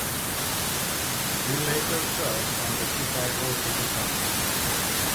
He later served on the Chicago City Council.